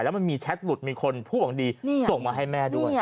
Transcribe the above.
แล้วมันมีแชทหลุดมีคนผู้หวังดีส่งมาให้แม่ด้วย